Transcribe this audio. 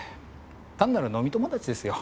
単なる飲み友達ですよ。